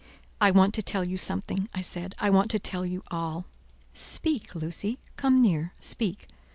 "I want to tell you something," I said: "I want to tell you all." "Speak, Lucy; come near; speak.